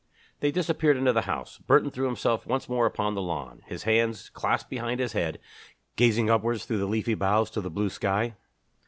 They disappeared into the house. Burton threw himself once more upon the lawn, his hands clasped behind his head, gazing upwards through the leafy boughs to the blue sky.